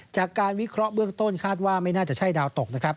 จากการวิเคราะห์เบื้องต้นคาดว่าไม่น่าจะใช่ดาวตกนะครับ